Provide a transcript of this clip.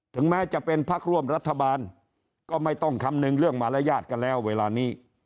ถึงแม้จะเป็นพักร่วมรัฐบาลก็ไม่ต้องคำนึงเรื่องมารยาทกันแล้วเวลานี้